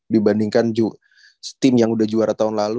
dibandingkan tim yang udah juara tahun lalu